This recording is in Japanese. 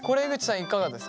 いかがですか？